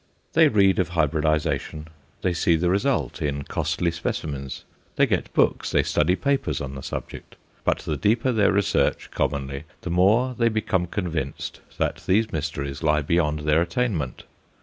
They read of hybridization, they see the result in costly specimens, they get books, they study papers on the subject. But the deeper their research commonly, the more they become convinced that these mysteries lie beyond their attainment.